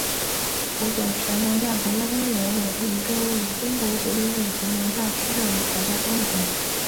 湖北神农架国家公园为一个位于中国湖北省神农架林区的国家公园。